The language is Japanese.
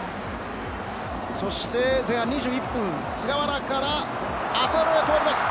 そして前半２１分菅原から浅野に通ります。